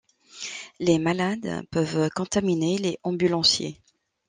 Les malades peuvent contaminer les ambulanciers.